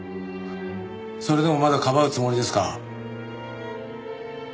それでもまだかばうつもりですか？